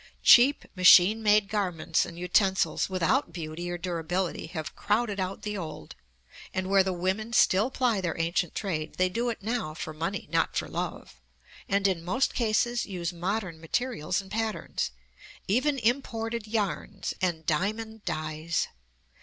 Cheap machine made garments and utensils, without beauty or durability, have crowded out the old; and where the women still ply their ancient trade, they do it now for money, not for love, and in most cases use modern materials and patterns, even imported yarns and "Diamond dyes!"